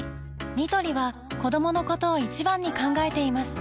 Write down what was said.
ニトリは子どものことを一番に考えています